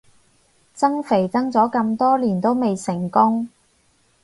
增肥增咗咁多年都未成功